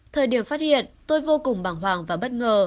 thời điểm phát hiện tôi vô cùng bảng hoàng và bất ngờ